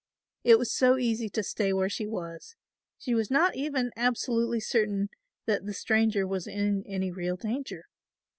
It was so easy to stay where she was, she was not even absolutely certain that the stranger was in any real danger.